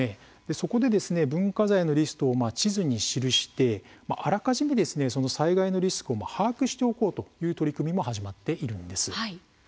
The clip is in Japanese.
そこで文化財のリストを地図に記して、あらかじめ災害のリスクを把握しておこうという取り組みも始まっているんです。